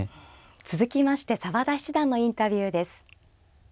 続きまして澤田七段のインタビューです。